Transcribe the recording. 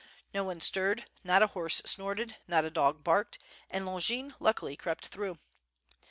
No one stirred, not a horse snorted, not a dog barked, and Longin luckily crept through.